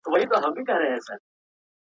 تاوېده لكه زمرى وي چا ويشتلى.